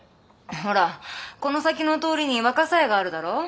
ほらこの先の通りにわかさ屋があるだろ？